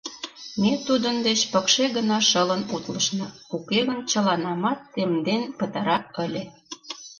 Ме тудын деч пыкше гына шылын утлышна, уке гын чыланамат темден пытара ыле...